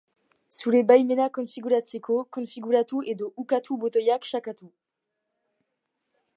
Zure baimena konfiguratzeko “Konfiguratu” edo “Ukatu” botoiak sakatu.